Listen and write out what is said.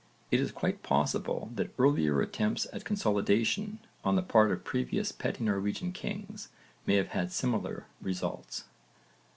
It is quite possible that earlier attempts at consolidation on the part of previous petty Norwegian kings may have had similar results.